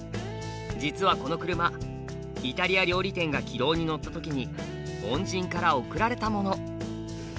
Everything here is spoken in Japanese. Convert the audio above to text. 実はこの車イタリア料理店が軌道に乗った時に恩人から贈られたもの。